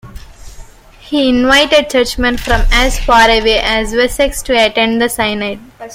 He invited churchmen from as far away as Wessex to attend the synod.